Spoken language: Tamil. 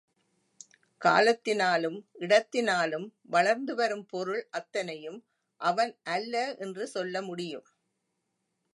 காலத்தினாலும், இடத்தினாலும் வளர்ந்து வரும் பொருள் அத்தனையும் அவன் அல்ல என்று சொல்ல முடியும்.